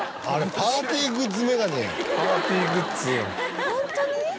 パーティーグッズ。